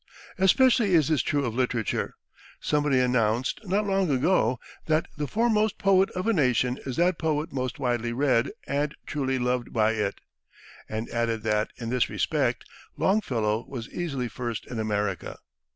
Especially is this true of literature. Somebody announced, not long ago, that "the foremost poet of a nation is that poet most widely read and truly loved by it," and added that, in this respect, Longfellow was easily first in America.